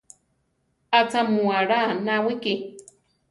¿Achá mu alá anáwiki?